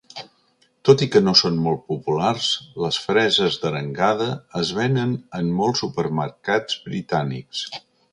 Tot i que no són molt populars, les freses d'arengada es venen en molts supermercats britànics.